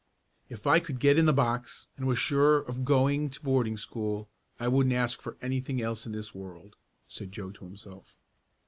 "If I could get in the box, and was sure of going to boarding school, I wouldn't ask anything else in this world," said Joe to himself.